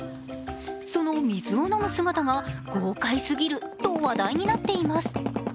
その水を飲む姿が豪快すぎると話題になっています。